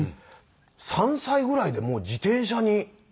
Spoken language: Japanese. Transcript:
３歳ぐらいでもう自転車に。